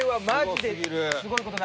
すごい。